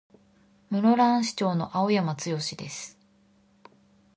室蘭市長の青山剛です。